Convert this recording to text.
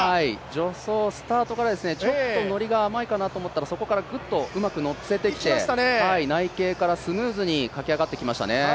助走、スタートからちょっと乗りが甘いかなと思いましたがそこからぐっとうまく乗せてきて内傾からスムーズに駆け上がってきましたね。